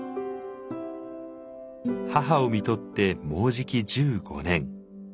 母をみとってもうじき１５年。